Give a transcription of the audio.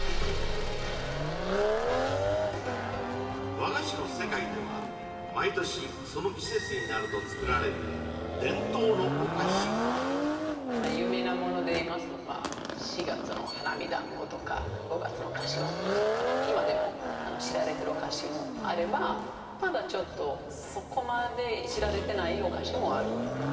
和菓子の世界では毎年その季節になると作られる伝統のお菓子がまあ有名なものでいいますと４月の花見団子とか５月の柏餅とか今でも知られてるお菓子もあればまだちょっとそこまで知られてないお菓子もあるんですよね